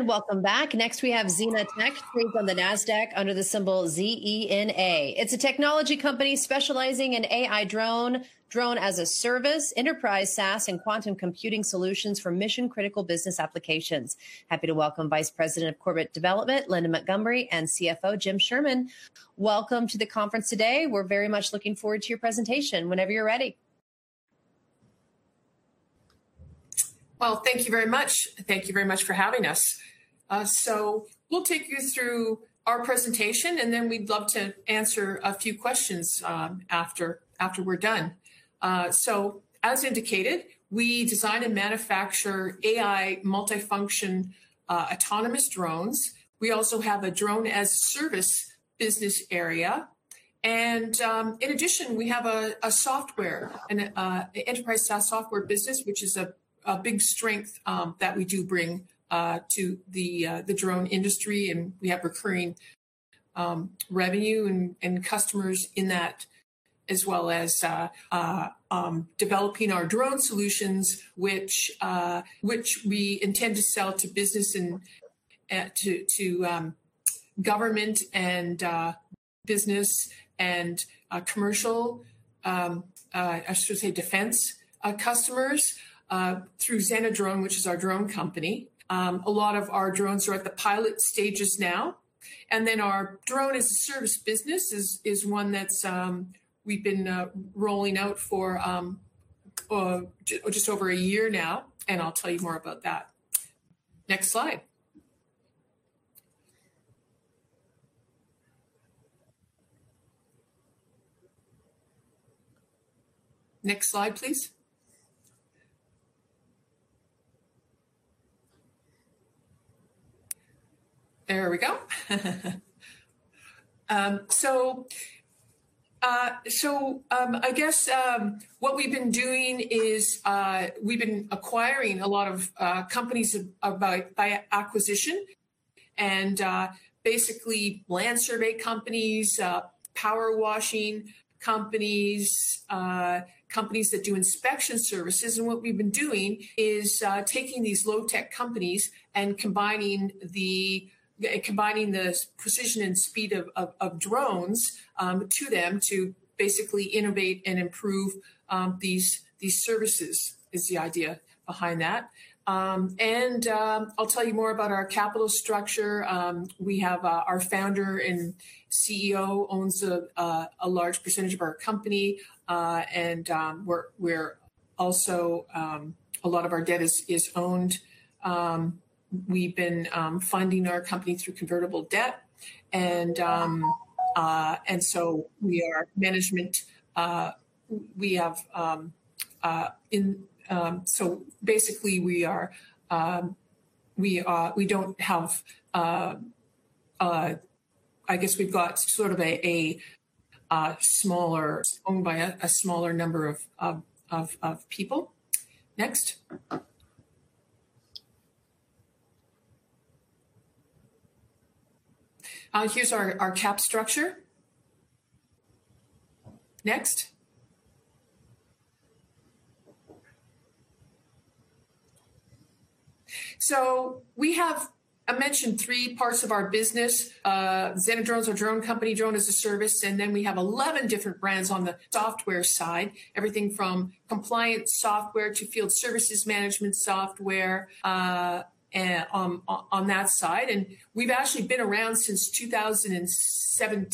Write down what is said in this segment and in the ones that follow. Welcome back. Next, we have ZenaTech traded on the Nasdaq under the symbol ZENA. It's a technology company specializing in AI drone, Drone-as-a-Service, enterprise SaaS and quantum computing solutions for mission-critical business applications. Happy to welcome Vice President, Corporate Development, Linda Montgomery, and CFO, James Sherman. Welcome to the conference today. We're very much looking forward to your presentation. Whenever you're ready. Well, thank you very much. Thank you very much for having us. We'll take you through our presentation, and then we'd love to answer a few questions after we're done. As indicated, we design and manufacture AI multifunction autonomous drones. We also have a Drone-as-a-Service business area. In addition, we have a software and enterprise SaaS software business, which is a big strength that we do bring to the drone industry, and we have recurring revenue and customers in that as well as developing our drone solutions which we intend to sell to business and to government and business and commercial I should say defense customers through ZenaDrone, which is our drone company. A lot of our drones are at the pilot stages now. Our Drone-as-a-Service business is one that's we've been rolling out for just over 1 year now, and I'll tell you more about that. Next slide. Next slide, please. There we go. What we've been doing is we've been acquiring a lot of companies by acquisition and basically land survey companies, power washing companies that do inspection services. What we've been doing is taking these low-tech companies and combining the precision and speed of drones to them to basically innovate and improve these services is the idea behind that. I'll tell you more about our capital structure. We have our founder and CEO owns a large percentage of our company, and we're also a lot of our debt is owned. We've been funding our company through convertible debt we are management. We have I guess we've got sort of a smaller number of people. Next. Here's our cap structure. Next. We have, I mentioned 3 parts of our business. ZenaDrone is our drone company, Drone-as-a-Service, we have 11 different brands on the software side. Everything from compliance software to field services management software on that side. We've actually been around since 2017,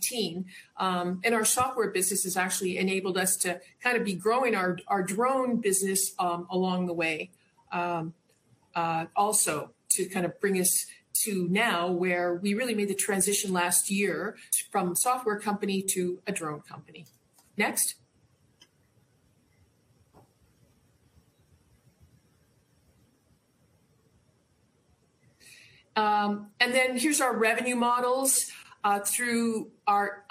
2018. Our software business has actually enabled us to kind of be growing our drone business along the way. Also to kind of bring us to now, where we really made the transition last year from software company to a drone company. Next. Here's our revenue models through our,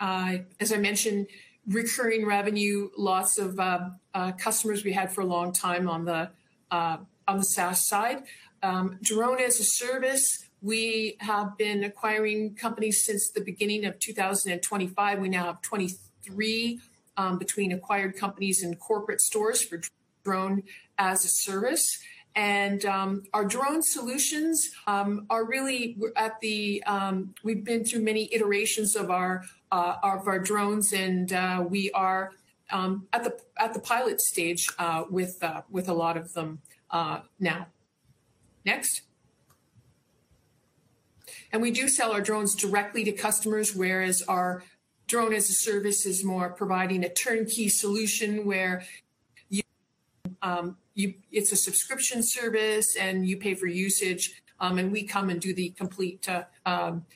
as I mentioned, recurring revenue, lots of customers we had for a long time on the SaaS side. Drone-as-a-Service, we have been acquiring companies since the beginning of 2025. We now have 23 between acquired companies and corporate stores for Drone-as-a-Service. Our drone solutions are really at the... We've been through many iterations of our of our drones and we are at the at the pilot stage with a lot of them now. Next. We do sell our drones directly to customers, whereas our Drone-as-a-Service is more providing a turnkey solution where it's a subscription service, and you pay for usage, and we come and do the complete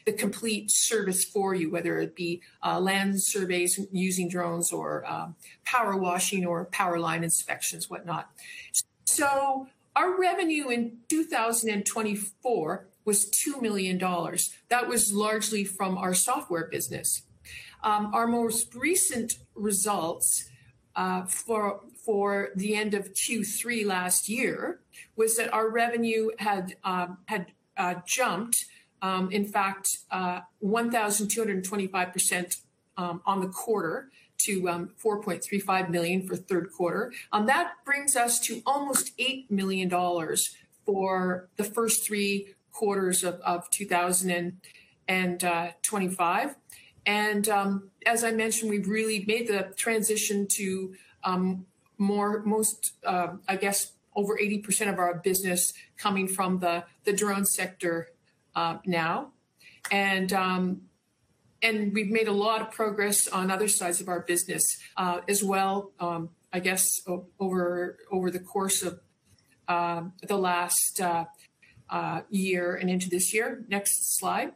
the complete service for you, whether it be land surveys using drones or power washing or power line inspections, whatnot. Our revenue in 2024 was $2 million. That was largely from our software business. Our most recent results for the end of Q3 last year was that our revenue had jumped, in fact, 1,225% on the quarter to $4.35 million for third quarter. That brings us to almost $8 million for the first three quarters of 2025. As I mentioned, we've really made the transition to most, I guess over 80% of our business coming from the drone sector now. We've made a lot of progress on other sides of our business as well, I guess over the course of the last year and into this year. Next slide.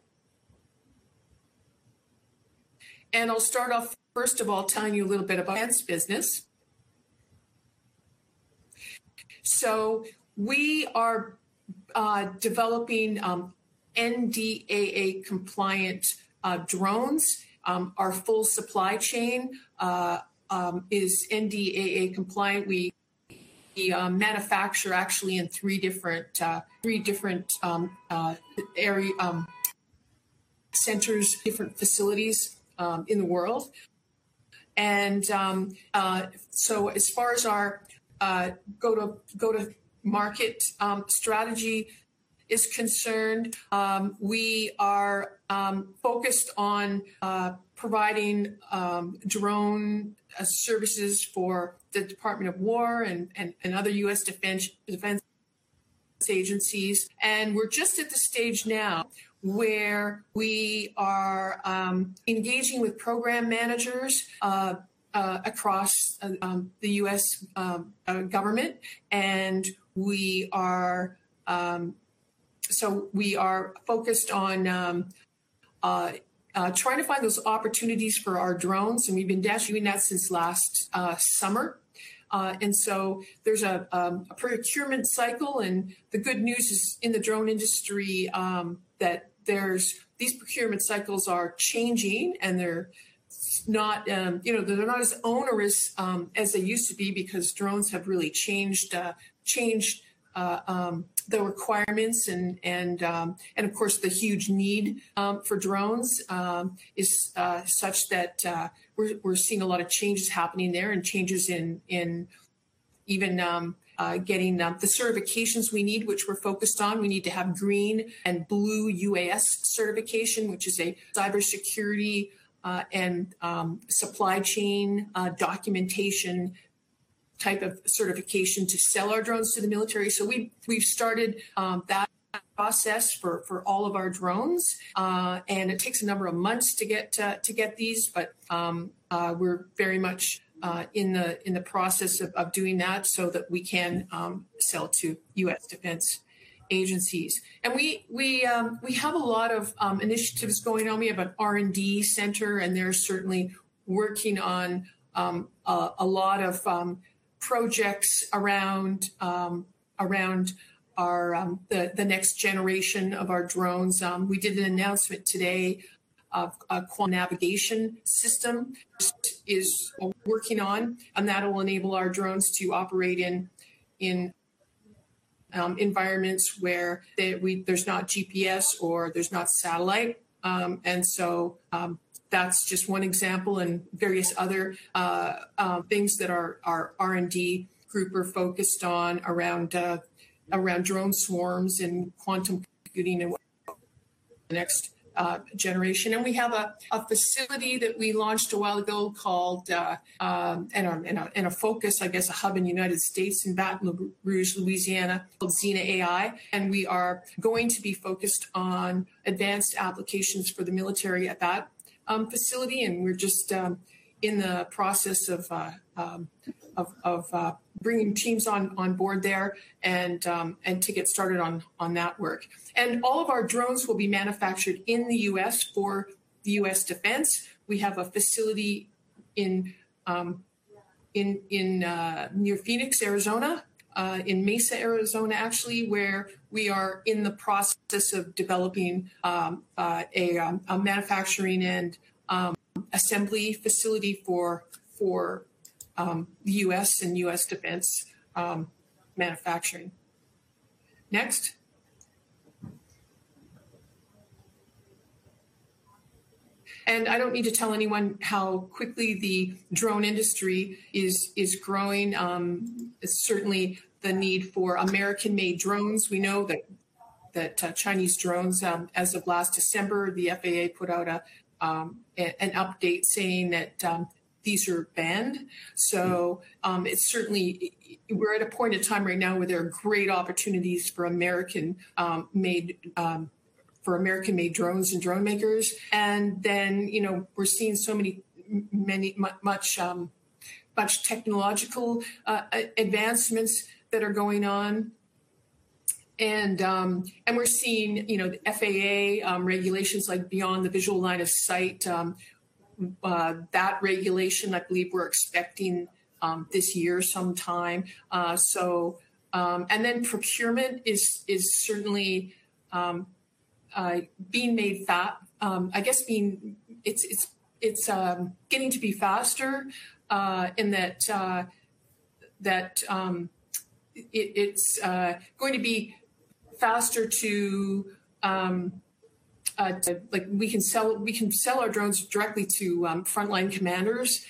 I'll start off, first of all, telling you a little bit about business. We are developing NDAA compliant drones. Our full supply chain is NDAA compliant. We manufacture actually in three different area centers, different facilities in the world. As far as our go to market strategy is concerned, we are focused on providing drone services for the Department of War and other U.S. Defense Agencies. We're just at the stage now where we are engaging with program managers across the U.S. government. We are We are focused on trying to find those opportunities for our drones, and we've been doing that since last summer. There's a procurement cycle, and the good news is in the drone industry that these procurement cycles are changing, and they're not, you know, they're not as onerous as they used to be because drones have really changed the requirements and, of course, the huge need for drones is such that we're seeing a lot of changes happening there and changes in even getting the certifications we need which we're focused on. We need to have Green UAS and Blue UAS certification, which is a cybersecurity, and supply chain documentation type of certification to sell our drones to the military. We've started that process for all of our drones. It takes a number of months to get these, but we're very much in the process of doing that so that we can sell to U.S. Defense Agencies. We have a lot of initiatives going on. We have an R&D center, and they're certainly working on a lot of projects around our the next generation of our drones. We did an announcement today of a quantum navigation system is working on, and that will enable our drones to operate in environments where there's not GPS or there's not satellite. That's just one example and various other things that our R&D group are focused on around drone swarms and quantum computing and the next generation. We have a facility that we launched a while ago called a focus, I guess, a hub in the United States in Baton Rouge, Louisiana, called Zena AI. We are going to be focused on advanced applications for the military at that facility. We're just in the process of bringing teams on board there to get started on that work. All of our drones will be manufactured in the U.S. for the U.S. Defense. We have a facility in near Phoenix, Arizona, in Mesa, Arizona, actually, where we are in the process of developing a manufacturing and assembly facility for U.S. and U.S. Defense manufacturing. Next. I don't need to tell anyone how quickly the drone industry is growing. Certainly the need for American-made drones. We know that Chinese drones, as of last December, the FAA put out an update saying that these are banned. It's certainly... We're at a point in time right now where there are great opportunities for American-made drones and drone makers. You know, we're seeing so many much technological advancements that are going on. We're seeing, you know, the FAA regulations like beyond visual line of sight. That regulation, I believe we're expecting this year sometime. Procurement is certainly getting to be faster in that. That it's going to be faster to, like, we can sell our drones directly to frontline commanders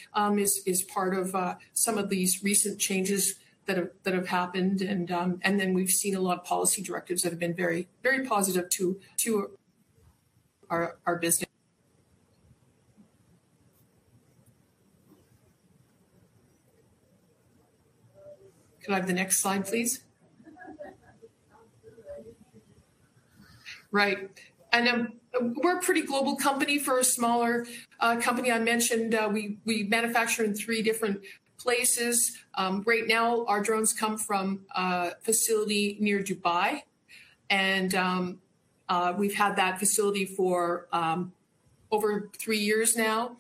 is part of some of these recent changes that have happened. We've seen a lot of policy directives that have been very, very positive to our business. Could I have the next slide, please? Right. We're a pretty global company. For a smaller company, I mentioned, we manufacture in three different places. Right now, our drones come from a facility near Dubai, and we've had that facility for over three years now.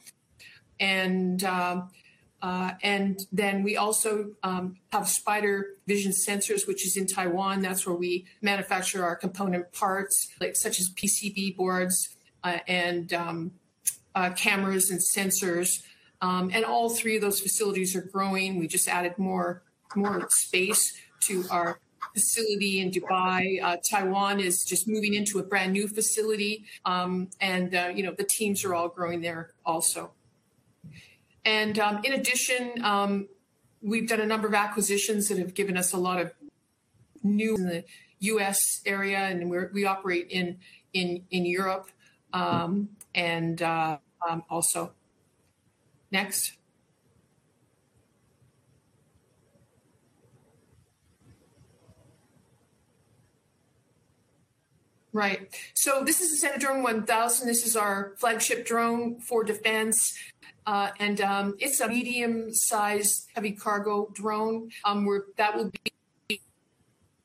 We also have Spider Vision Sensors, which is in Taiwan. That's where we manufacture our component parts, like such as PCB boards, and cameras and sensors. All three of those facilities are growing. We just added more space to our facility in Dubai. Taiwan is just moving into a brand-new facility. You know, the teams are all growing there also. In addition, we've done a number of acquisitions that have given us a lot of new in the U.S. area, and we operate in Europe also. Next. Right. This is the ZenaDrone 1000. This is our flagship drone for defense. It's a medium-sized heavy cargo drone, where that will be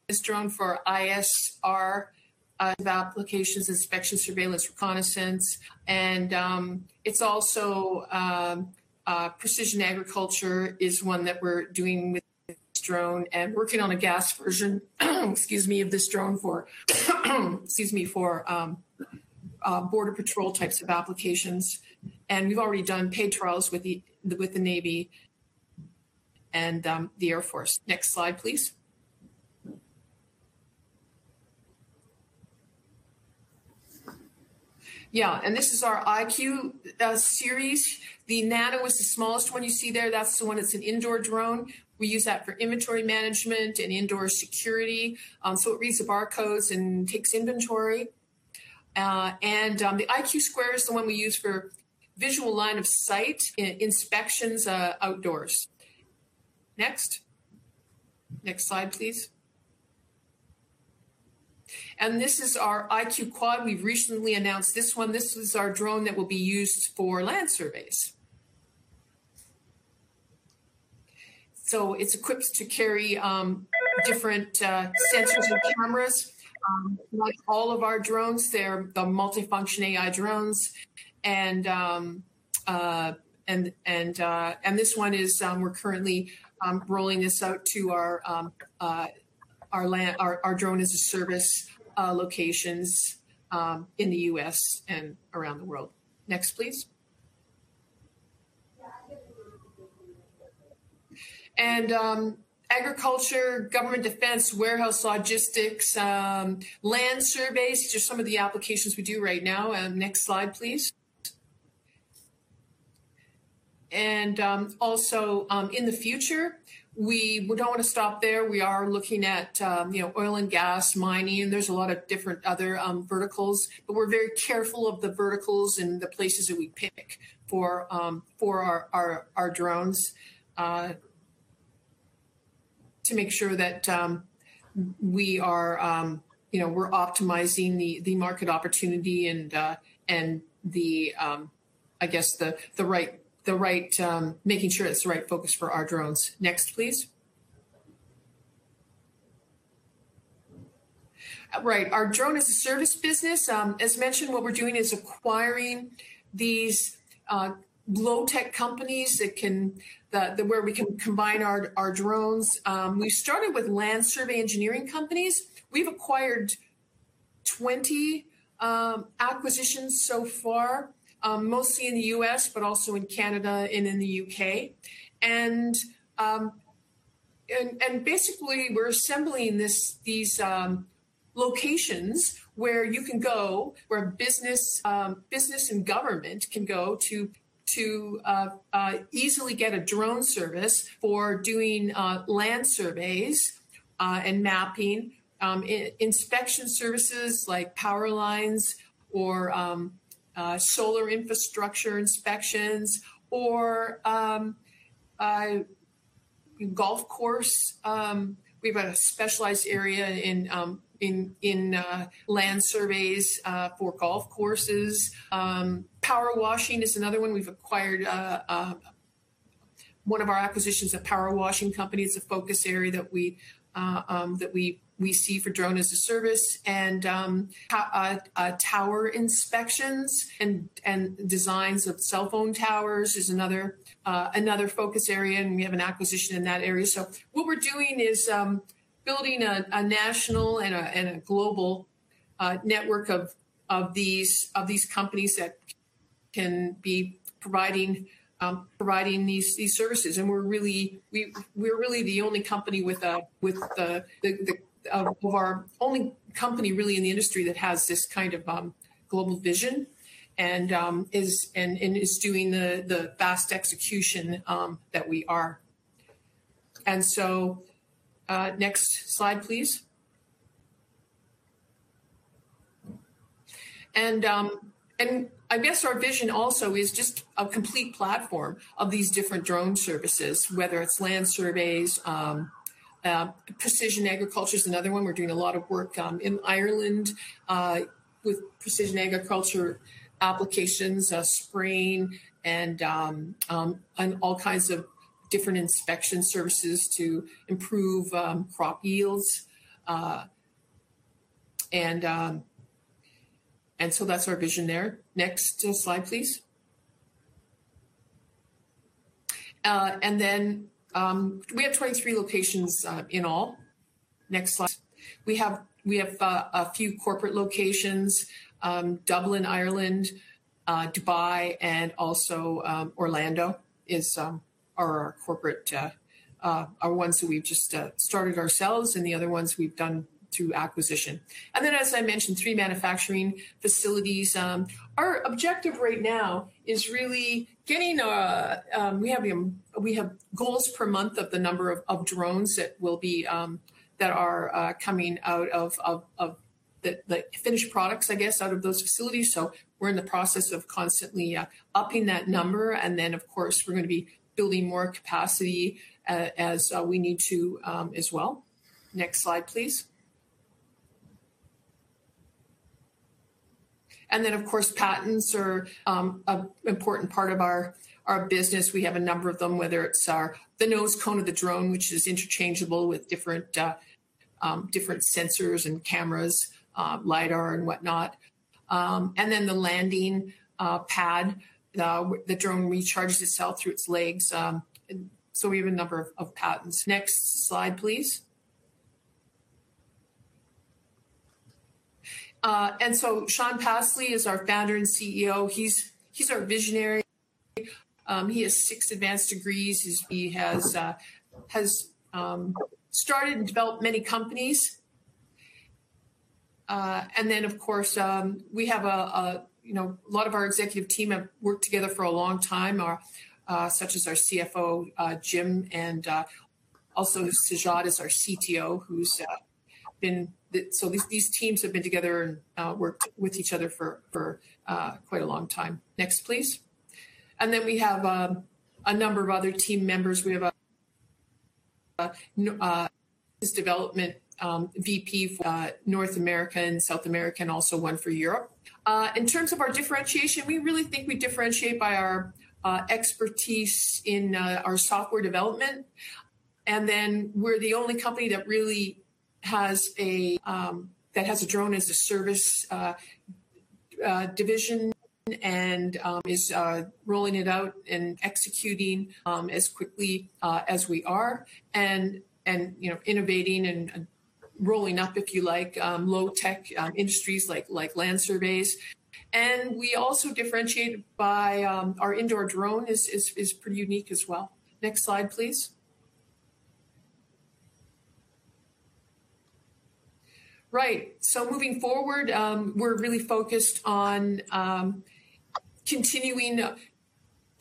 this drone for ISR applications, inspection, surveillance, reconnaissance. It's also precision agriculture is one that we're doing with this drone and working on a gas version, excuse me, of this drone for border patrol types of applications. We've already done paid trials with the Navy and the Air Force. Next slide, please. This is our IQ series. The Nano is the smallest one you see there. That's the one that's an indoor drone. We use that for inventory management and indoor security. It reads the barcodes and takes inventory. The IQ Square is the one we use for visual line of sight in inspections outdoors. Next. Next slide, please. This is our IQ Quad. We've recently announced this one. This is our drone that will be used for land surveys. It's equipped to carry different sensors and cameras. Like all of our drones, they're the multifunction AI drones. This one is we're currently rolling this out to our Drone-as-a-Service locations in the U.S. and around the world. Next, please. Agriculture, government defense, warehouse logistics, land surveys, these are some of the applications we do right now. Next slide, please. Also, in the future, we don't wanna stop there. We are looking at, you know, oil and gas mining, and there's a lot of different other verticals. We're very careful of the verticals and the places that we pick for our, our drones to make sure that we are, you know, we're optimizing the market opportunity and the, I guess the right, the right, making sure it's the right focus for our drones. Next, please. Right. Our Drone-as-a-Service business. As mentioned, what we're doing is acquiring these low-tech companies that where we can combine our drones. We started with land survey engineering companies. We've acquired 20 acquisitions so far, mostly in the U.S., but also in Canada and in the U.K. Basically, we're assembling these locations where you can go, where business and government can go to easily get a drone service for doing land surveys and mapping, inspection services like power lines or solar infrastructure inspections or golf course. We've got a specialized area in land surveys for golf courses. Power washing is another one we've acquired. One of our acquisitions, a power washing company, is a focus area that we see for Drone-as-a-Service. Tower inspections and designs of cell phone towers is another focus area, and we have an acquisition in that area. What we're doing is building a national and a global network of these, of these companies that can be providing these services. We're really the only company with a, with the only company really in the industry that has this kind of global vision and is doing the fast execution that we are. Next slide, please. I guess our vision also is just a complete platform of these different drone services, whether it's land surveys, precision agriculture is another one. We're doing a lot of work in Ireland with precision agriculture applications, spraying and all kinds of different inspection services to improve crop yields. That's our vision there. Next slide, please. We have 23 locations in all. Next slide. We have a few corporate locations. Dublin, Ireland, Dubai, and also Orlando is are corporate are ones that we've just started ourselves, and the other ones we've done through acquisition. As I mentioned, 3 manufacturing facilities. Our objective right now is really getting a we have goals per month of the number of drones that will be that are coming out of The finished products, I guess, out of those facilities. We're in the process of constantly upping that number. Of course, we're gonna be building more capacity as we need to as well. Next slide, please. Of course, patents are a important part of our business. We have a number of them, whether it's the nose cone of the drone, which is interchangeable with different different sensors and cameras, LiDAR and whatnot. The landing pad. The drone recharges itself through its legs. We have a number of patents. Next slide, please. Shaun Passley is our founder and CEO. He's our visionary. He has six advanced degrees. He has started and developed many companies. Of course, you know, a lot of our executive team have worked together for a long time, such as our CFO, Jim, and also Sajjad is our CTO, who's been. These teams have been together and worked with each other for quite a long time. Next, please. We have a number of other team members. We have a business development VP for North America and South America, and also one for Europe. In terms of our differentiation, we really think we differentiate by our expertise in our software development. We're the only company that really has a that has a Drone-as-a-Service division and is rolling it out and executing as quickly as we are. You know, innovating and rolling up, if you like, low tech industries like land surveying. We also differentiate by our indoor drone is pretty unique as well. Next slide, please. Right. Moving forward, we're really focused on continuing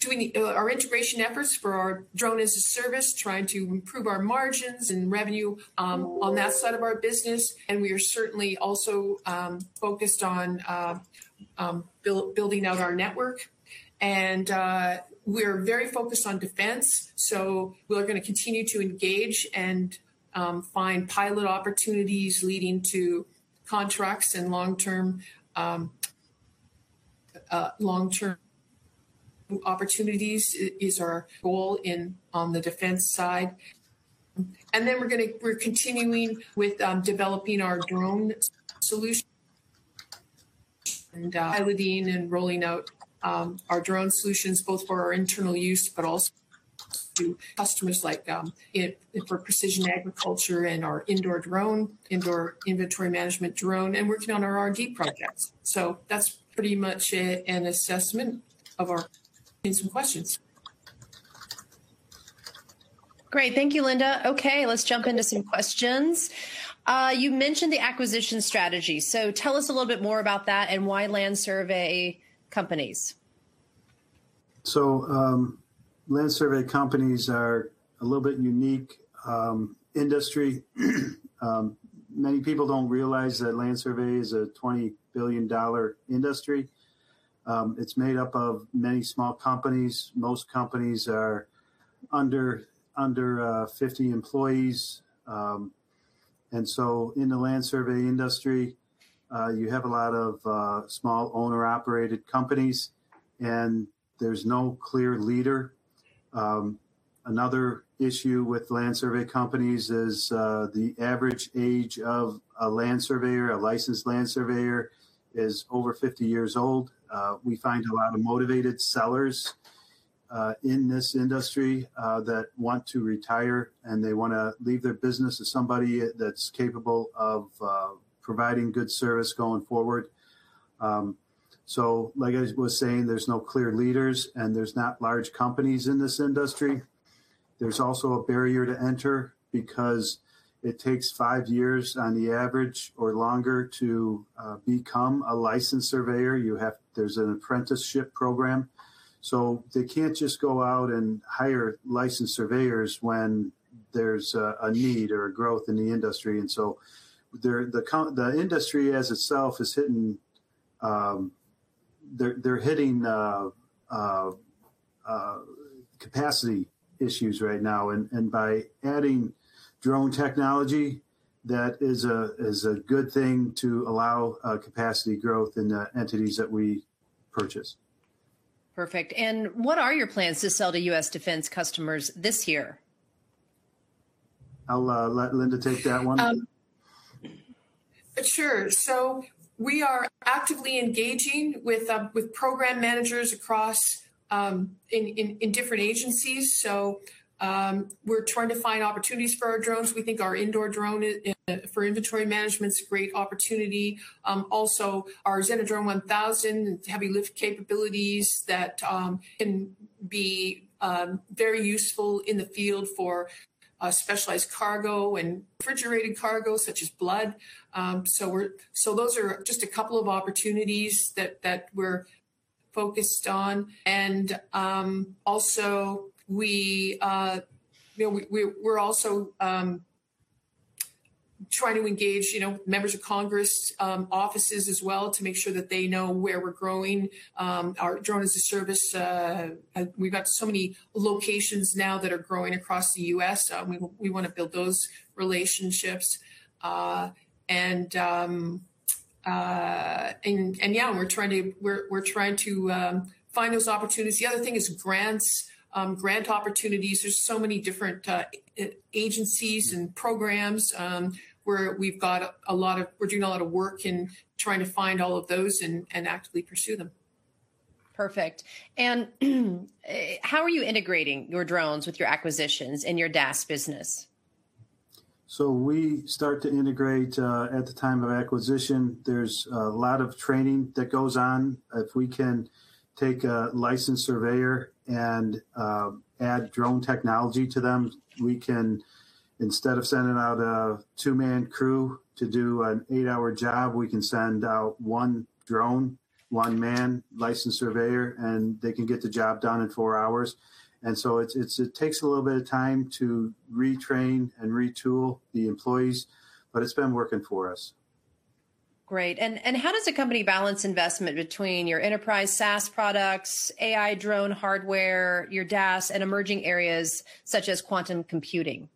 doing our integration efforts for our Drone-as-a-Service, trying to improve our margins and revenue on that side of our business. We are certainly also focused on building out our network. We're very focused on defense, so we're gonna continue to engage and find pilot opportunities leading to contracts and long-term opportunities is our goal in, on the defense side. Then we're continuing with developing our drone solutions and piloting and rolling out our drone solutions both for our internal use but also to customers like for precision agriculture and our indoor drone, indoor inventory management drone, and working on our R&D projects. That's pretty much it, an assessment of our. Take some questions. Great. Thank you, Linda. Okay, let's jump into some questions. You mentioned the acquisition strategy. Tell us a little bit more about that and why land survey companies? Land survey companies are a little bit unique industry. Many people don't realize that land survey is a $20 billion industry. It's made up of many small companies. Most companies are under 50 employees. In the land survey industry, you have a lot of small owner-operated companies, and there's no clear leader. Another issue with land survey companies is the average age of a land surveyor, a licensed land surveyor, is over 50 years old. We find a lot of motivated sellers In this industry, that want to retire, and they wanna leave their business to somebody that's capable of providing good service going forward. Like I was saying, there's no clear leaders, and there's not large companies in this industry. There's also a barrier to enter because it takes 5 years on the average or longer to become a licensed surveyor. There's an apprenticeship program. They can't just go out and hire licensed surveyors when there's a need or a growth in the industry. They're, the industry as itself is hitting, they're hitting capacity issues right now. By adding drone technology, that is a good thing to allow capacity growth in the entities that we purchase. Perfect. What are your plans to sell to U.S. defense customers this year? I'll let Linda take that one. Um. Sure. We are actively engaging with program managers across in different agencies. We're trying to find opportunities for our drones. We think our indoor drone in for inventory management's a great opportunity. Also our ZenaDrone 1000, its heavy lift capabilities that can be very useful in the field for specialized cargo and refrigerated cargo such as blood. Those are just a couple of opportunities that we're focused on. Also we, you know, we're also trying to engage, you know, members of Congress offices as well to make sure that they know where we're growing. Our Drone-as-a-Service, we've got so many locations now that are growing across the U.S., we wanna build those relationships. Yeah, we're trying to find those opportunities. The other thing is grants, grant opportunities. There's so many different agencies and programs, where we're doing a lot of work in trying to find all of those and actively pursue them. Perfect. How are you integrating your drones with your acquisitions and your DAS business? We start to integrate at the time of acquisition. There's a lot of training that goes on. If we can take a licensed surveyor and add drone technology to them, we can, instead of sending out a two-man crew to do an eight-hour job, we can send out one drone, one man, licensed surveyor, and they can get the job done in four hours. It takes a little bit of time to retrain and retool the employees, but it's been working for us. Great. How does the company balance investment between your enterprise SaaS products, AI drone hardware, your DAS, and emerging areas such as quantum computing?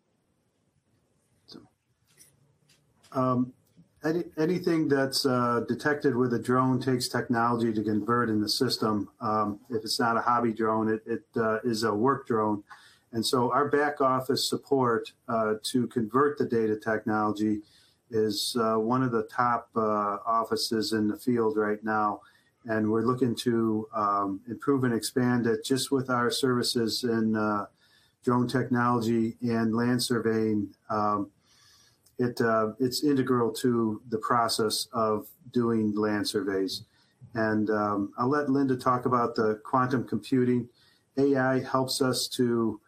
Anything that's detected with a drone takes technology to convert in the system. If it's not a hobby drone, it is a work drone. Our back office support to convert the data technology is one of the top offices in the field right now, and we're looking to improve and expand it just with our services in drone technology and land surveying. It's integral to the process of doing land surveys. I'll let Linda talk about the quantum computing. AI helps us to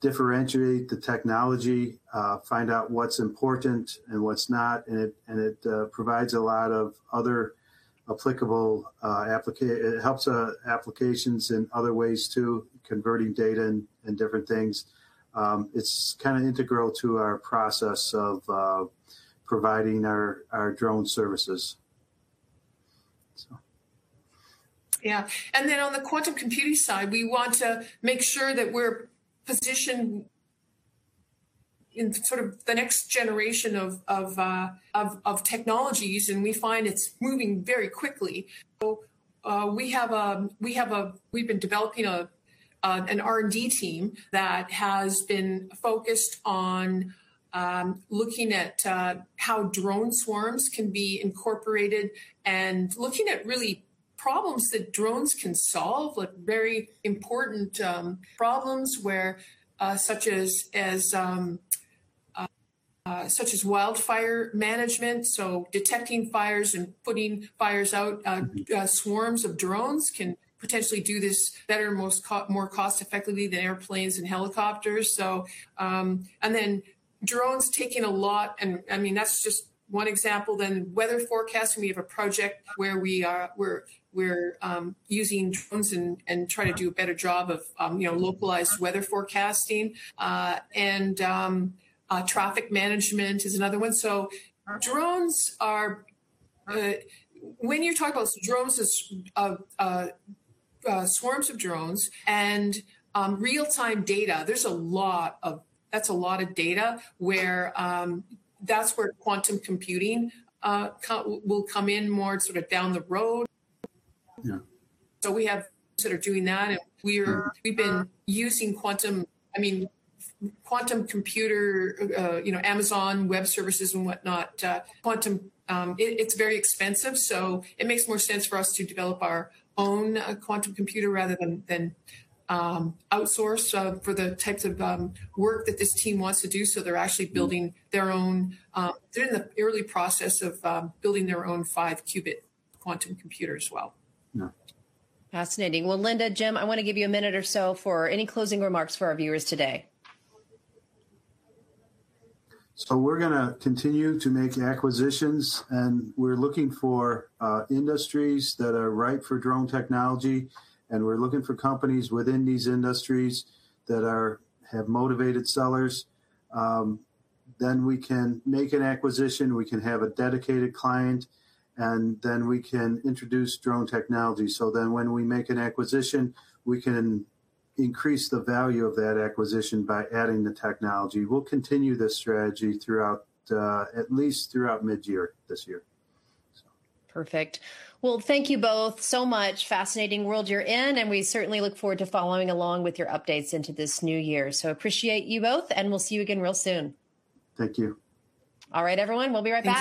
differentiate the technology, find out what's important and what's not, and it provides a lot of other applicable applications in other ways too, converting data and different things. It's kinda integral to our process of providing our drone services. Yeah. On the quantum computing side, we want to make sure that we're positioned in sort of the next generation of technologies, and we find it's moving very quickly. We've been developing a, an R&D team that has been focused on looking at how drone swarms can be incorporated and looking at really problems that drones can solve, like very important problems where such as wildfire management, so detecting fires and putting fires out. Swarms of drones can potentially do this better, more cost effectively than airplanes and helicopters. Drones take in a lot, and I mean, that's just one example. Weather forecasting, we have a project where we are, we're using drones and trying to do a better job of, you know, localized weather forecasting. Traffic management is another one. Drones are, when you talk about drones as swarms of drones and real-time data, there's a lot of, that's a lot of data where that's where quantum computing will come in more sort of down the road. Yeah. We have... Sort of doing that, and. Yeah. We've been using quantum, I mean, quantum computer, you know, Amazon Web Services and whatnot. Quantum, it's very expensive, so it makes more sense for us to develop our own quantum computer rather than outsource for the types of work that this team wants to do. They're actually building their own, they're in the early process of building their own 5-qubit quantum computer as well. Yeah. Fascinating. Well, Linda, Jim, I want to give you a minute or so for any closing remarks for our viewers today. We're gonna continue to make acquisitions, and we're looking for industries that are right for drone technology, and we're looking for companies within these industries that have motivated sellers. We can make an acquisition, we can have a dedicated client, and then we can introduce drone technology. When we make an acquisition, we can increase the value of that acquisition by adding the technology. We'll continue this strategy throughout at least throughout mid-year this year. Perfect. Well, thank you both so much. Fascinating world you're in, and we certainly look forward to following along with your updates into this new year. Appreciate you both, and we'll see you again real soon. Thank you. All right, everyone, we'll be right back.